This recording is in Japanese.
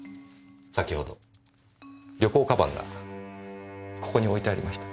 先ほど旅行鞄がここに置いてありました。